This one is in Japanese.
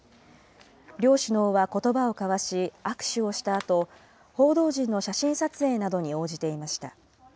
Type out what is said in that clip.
両首脳はことばを交わし、握手をしたあと、報道陣の写真撮影などに応じていました。